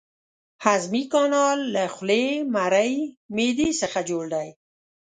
هضمي کانال له خولې، مرۍ، معدې څخه جوړ دی.